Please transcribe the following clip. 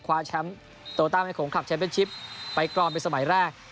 คว้าแชมป์โตต้าแม่โขงคลับแชมเป็นชิปไปกรองเป็นสมัยแรก